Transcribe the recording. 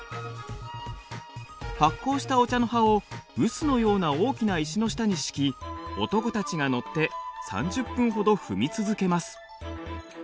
発酵したお茶の葉を臼のような大きな石の下に敷き男たちが乗って３０分ほど踏み続けます。